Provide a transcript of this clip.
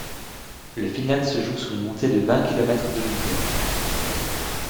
Le final se joue sur une montée de vingt kilomètres de longueur.